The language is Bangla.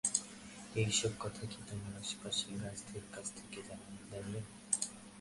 এইসব কথা কি তোমার আশেপাশের গাছদের কাছ থেকে জানলে?